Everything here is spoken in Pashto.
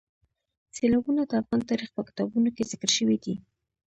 سیلابونه د افغان تاریخ په کتابونو کې ذکر شوی دي.